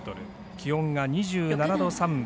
気温が２７度３分。